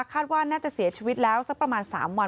คาดว่าน่าจะเสียชีวิตแล้วสักประมาณ๓วัน